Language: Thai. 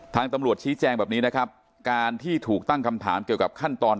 ตำรวจชี้แจงแบบนี้นะครับการที่ถูกตั้งคำถามเกี่ยวกับขั้นตอน